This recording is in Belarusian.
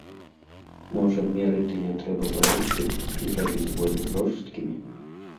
Можа, меры тыя трэба палегчыць ці зрабіць больш жорсткімі?